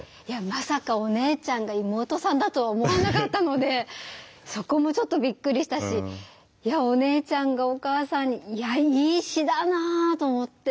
まさかお姉ちゃんが妹さんだとは思わなかったのでそこもちょっとびっくりしたしお姉ちゃんがお母さんにいやいい詩だなあと思って。